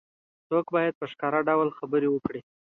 څوګ باید په ښکاره خبرې وکړي.